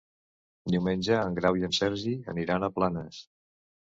Diumenge en Grau i en Sergi aniran a Planes.